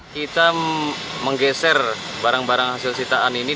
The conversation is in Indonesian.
kita menggeser barang barang hasil sitaan ini